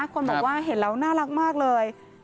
คนบอกว่าเห็นแล้วน่ารักมากเลย